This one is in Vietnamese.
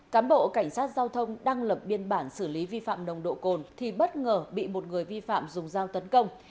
cán bộ cảnh sát giao thông đang lập biên bản xử lý vi phạm nồng độ cồn thì bất ngờ bị một người vi phạm dùng dao tấn công